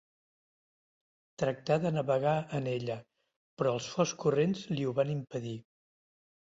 Tractà de navegar en ella, però els forts corrents li ho van impedir.